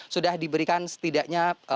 sudah diberikan setidaknya